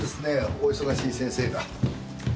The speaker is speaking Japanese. お忙しい先生が。